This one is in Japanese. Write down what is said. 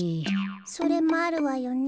それもあるわよね。